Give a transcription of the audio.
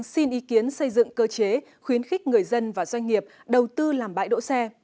xin ý kiến xây dựng cơ chế khuyến khích người dân và doanh nghiệp đầu tư làm bãi đỗ xe